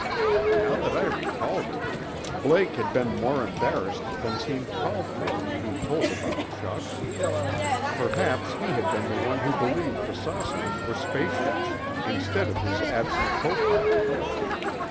Now that I recalled it, Blake had been more embarrassed than seemed called for when he told about Chuck. Perhaps he had been the one who believed the saucers were space ships, instead of his absent copilot.